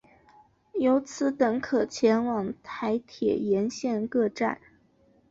由此等可前往台铁沿线各站。